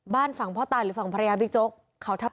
ฝั่งพ่อตาหรือฝั่งภรรยาบิ๊กโจ๊ก